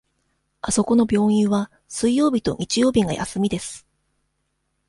あそこの病院は水曜日と日曜日が休みです。